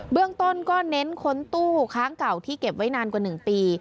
เรื่องต้นก็เน้นค้นตู้ค้างเก่าที่เก็บไว้นานกว่า๑ปี